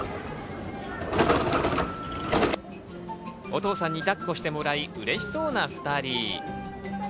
お父さんにだっこしてもらい嬉しそうな２人。